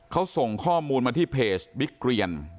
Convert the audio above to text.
เขาส่งข้อมูลมาที่เพจบิ๊กเรียน